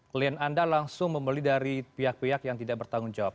klien anda langsung membeli dari pihak pihak yang tidak bertanggung jawab